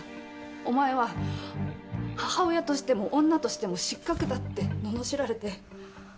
お前は母親としても女としても失格だって罵られて。